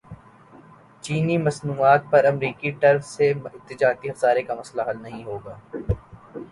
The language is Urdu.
چینی مصنوعات پر امریکی ٹیرف سے تجارتی خسارے کا مسئلہ حل نہیں ہوگا